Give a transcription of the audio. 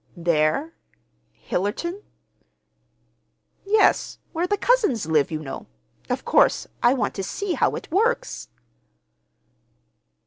"There? Hillerton?" "Yes, where the cousins live, you know. Of course I want to see how it works."